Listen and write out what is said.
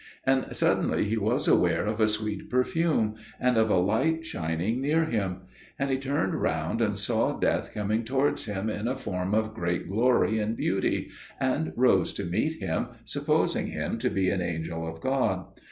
And suddenly he was aware of a sweet perfume, and of a light shining near him; and he turned round and saw Death coming towards him in a form of great glory and beauty, and rose to meet him, supposing him to be an angel of God.